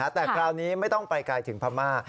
แต่คราวนี้ไม่ต้องไปไกลถึงพม่า